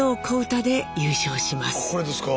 これですか？